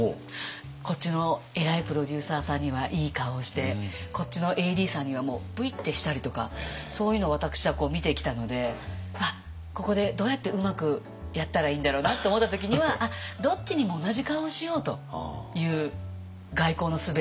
こっちの偉いプロデューサーさんにはいい顔してこっちのＡＤさんにはもうプイッてしたりとかそういうのを私は見てきたので「あっここでどうやってうまくやったらいいんだろうな」って思った時にはどっちにも同じ顔をしようという外交のすべを。